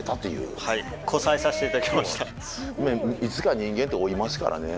いつか人間って老いますからね。